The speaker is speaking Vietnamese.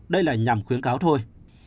đây là nhằm khuyến cáo thôi